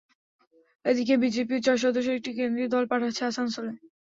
এদিকে বিজেপিও চার সদস্যের একটি কেন্দ্রীয় দল পাঠাচ্ছে আসানসোলে।